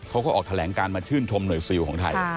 เขาก็ออกแถลงการมาชื่นชมหน่วยซิลของไทย